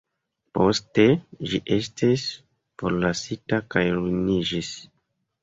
Poste ĝi estis forlasita kaj ruiniĝis.